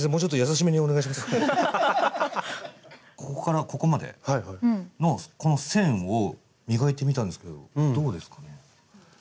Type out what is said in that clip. なんか多分ここからここまでのこの線を磨いてみたんですけどどうですかね？